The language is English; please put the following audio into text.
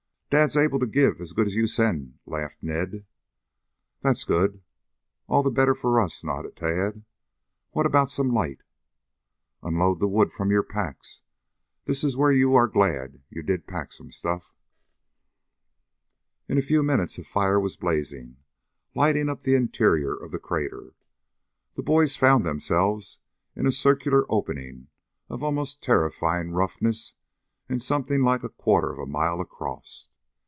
"Dad's able to give as good as you send," laughed Ned. "That's good. All the better for us," nodded Tad. "What about some light?" "Unload the wood from your packs. This is where you are glad you did pack some stuff." In a few minutes a fire was blazing, lighting up the interior of the crater. The boys found themselves in a circular opening of almost terrifying roughness and something like a quarter of a mile across.